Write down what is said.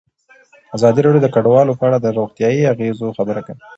ازادي راډیو د کډوال په اړه د روغتیایي اغېزو خبره کړې.